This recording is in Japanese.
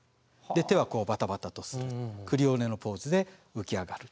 手はこうバタバタとクリオネのポーズで浮き上がる。